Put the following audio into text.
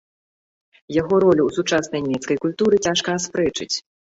Яго ролю ў сучаснай нямецкай культуры цяжка аспрэчыць.